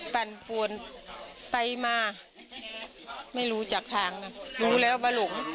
ปั่นปวนไปมาไม่รู้จากทางนะรู้แล้วว่าหลง